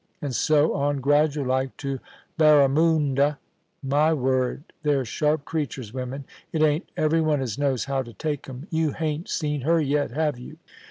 and so on, gradual like, to Barramundo. My word ! the/re sharp creatures, women. It ain't every one as knows how to take 'em. You hain't seen her yet, have you